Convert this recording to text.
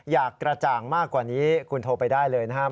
กระจ่างมากกว่านี้คุณโทรไปได้เลยนะครับ